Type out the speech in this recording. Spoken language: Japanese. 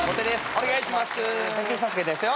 お願いしますよ。